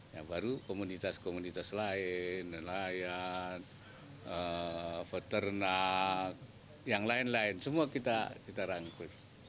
yang baru komunitas komunitas lain nelayan peternak yang lain lain semua kita rangkul